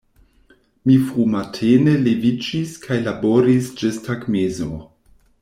Mi frumatene leviĝis kaj laboris ĝis tagmezo.